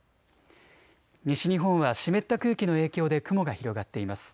西日本は湿った空気の影響で雲が広がっています。